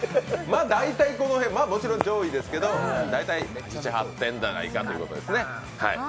大体この辺、もちろん上位ですけど大体７８点じゃないかということですね。